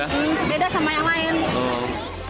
beda sama yang lain